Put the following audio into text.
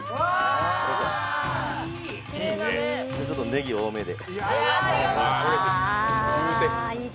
ねぎ多めで。